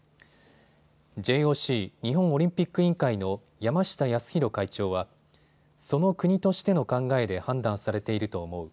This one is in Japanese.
ＪＯＣ・日本オリンピック委員会の山下泰裕会長はその国としての考えで判断されていると思う。